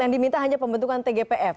yang diminta hanya pembentukan tgpf